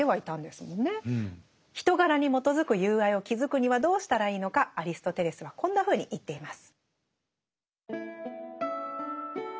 人柄に基づく友愛を築くにはどうしたらいいのかアリストテレスはこんなふうに言っています。